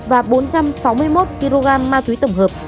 và bốn trăm sáu mươi một kg ma túy tổng hợp